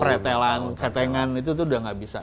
pretelan ketengahan itu udah gak bisa